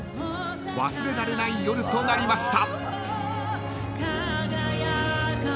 ［忘れられない夜となりました］